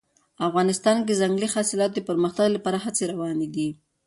افغانستان کې د ځنګلي حاصلاتو د پرمختګ لپاره هڅې روانې دي.